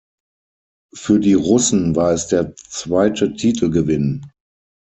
Für die Russen war es der zweite Titelgewinn.